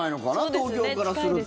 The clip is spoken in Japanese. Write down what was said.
東京からすると。